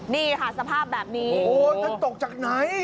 นี่ค่ะสภาพแบบนี้โอ้ท่านตกจากไหน